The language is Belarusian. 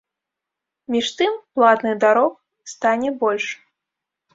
Між тым, платных дарог стане больш.